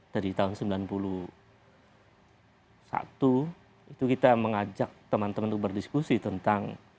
dari tahun sembilan puluh satu itu kita mengajak teman teman untuk berdiskusi tentang